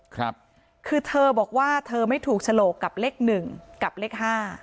คือเธอบอกว่าไม่ถูกฉโลกกับเลข๑กับเลข๕